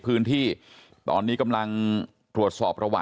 ส่วนเรื่องทางคดีนะครับตำรวจก็มุ่งไปที่เรื่องการฆาตฉิงทรัพย์นะครับ